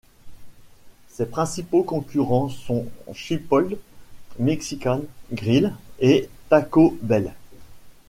Ses principaux concurrents sont Chipotle Mexican Grill et Taco Bell.